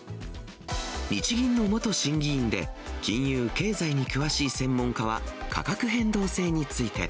日銀の元審議員で、金融・経済に詳しい専門家は、価格変動制につ